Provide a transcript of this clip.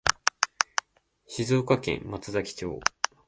静岡県松崎町